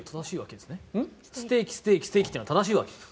ステーキ、ステーキステーキというのは正しいわけですね？